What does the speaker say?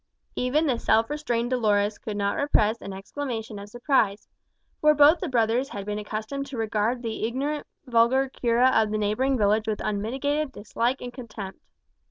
Even the self restrained Dolores could not repress an exclamation of surprise. For both the brothers had been accustomed to regard the ignorant vulgar cura of the neighbouring village with unmitigated dislike and contempt.